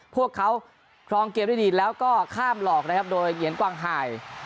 พวกเขาครองเกมได้ดีแล้วก็ข้ามหลอกนะครับโดยเหงียนกวางหาย